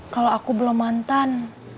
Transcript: kalau aku belum mantan